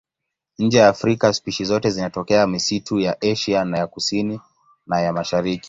Nje ya Afrika spishi zote zinatokea misitu ya Asia ya Kusini na ya Mashariki.